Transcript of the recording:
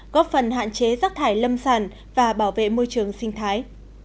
góp phần hạn chế rác thải lâm sản và bảo vệ môi trường sinh thái